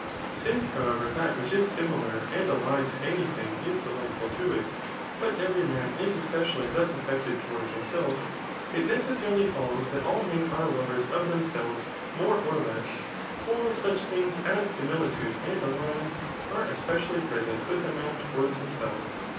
Since, however, that which is similar and allied to any thing is delightful to it, but every man*& especially thus affected towards himself, it necessarily fol lows that all men are lovers of themselves more or less } for such things [as amilitude and alliance3 are especially present with a man towards himself.